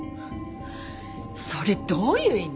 それどういう意味？